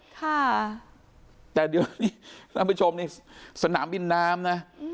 ค่ะแต่เดี๋ยวนี้ท่านผู้ชมนี่สนามบินน้ำนะ